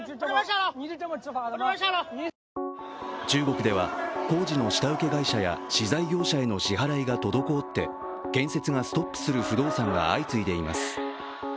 中国では工事の下請会社や資材業者への支払いが滞って建設がストップする不動産が相次いでいます。